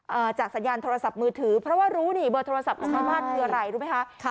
จากสัญญาณโทรศัพท์มือถือเพราะว่ารู้นี่เบอร์โทรศัพท์ของชาวบ้านคืออะไรรู้ไหมคะค่ะ